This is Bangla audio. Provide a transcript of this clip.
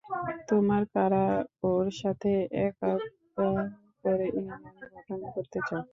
তোমার কারা কারা ওর সাথে একাত্মতা করে ইউনিয়ন গঠন করতে চাও?